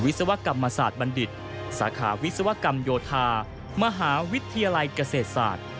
ศวกรรมศาสตร์บัณฑิตสาขาวิศวกรรมโยธามหาวิทยาลัยเกษตรศาสตร์